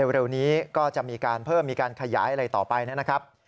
เร็วนี้ก็จะมีการเพิ่มมีการขยายอะไรต่อไปนะครับ